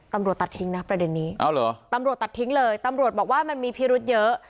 ตัดทิ้งนะประเด็นนี้ตำรวจตัดทิ้งเลยตำรวจบอกว่ามันมีพิรุษเยอะ